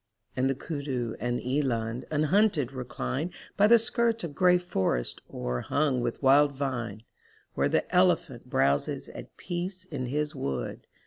And the kudu and eland unhunted recline By the skirts of gray forest o'erhung with wild vine; Where the elephant browses at peace in his wood.